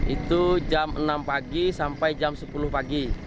itu jam enam pagi sampai jam sepuluh pagi